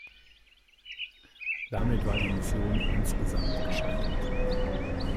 Damit war die Mission insgesamt gescheitert.